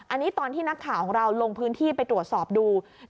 อันนี้ตอนที่นักข่าวของเราลงพื้นที่ไปตรวจสอบดู